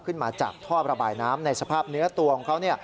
ขึ้นมาจากท่อระบายน้ำในสภาพเนื้อตัวของเขา